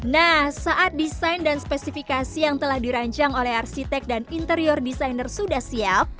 nah saat desain dan spesifikasi yang telah dirancang oleh arsitek dan interior desainer sudah siap